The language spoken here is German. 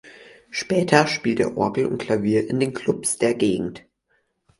Später spielte er Orgel und Klavier in den Klubs der Gegend.